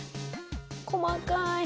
細かい。